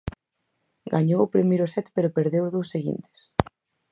Gañou o primeiro set pero perdeu os dous seguintes.